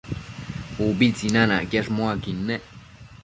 Ubi tsinanacquiash muaquid nec